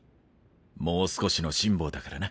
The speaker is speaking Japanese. もう少しの辛抱だからな。